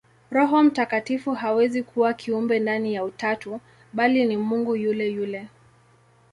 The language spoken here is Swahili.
Roho Mtakatifu hawezi kuwa kiumbe ndani ya Utatu, bali ni Mungu yule yule.